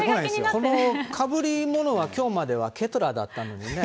この被り物はきょうまではケトラだったのにね。